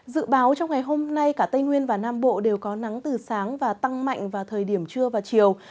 dự báo trong ngày hôm nay cả tây nguyên và nam bộ đều có nắng từ sáng và tăng mạnh vào thời điểm trưa và chiều